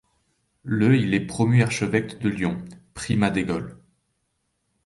Le il est promu archevêque de Lyon, Primat des Gaules.